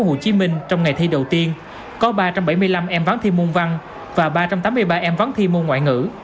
hồ chí minh trong ngày thi đầu tiên có ba trăm bảy mươi năm em vắng thi môn văn và ba trăm tám mươi ba em vắng thi môn ngoại ngữ